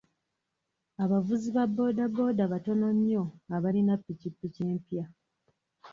Abavuzi ba booda booda batono nnyo abalina ppikipiki empya.